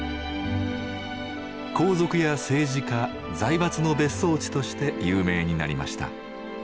皇族や政治家財閥の別荘地として有名になりました。